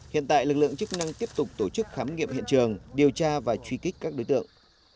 hiện tại lực lượng chức năng tiếp tục tổ chức khám nghiệm hiện trường điều tra và truy kích các đối tượng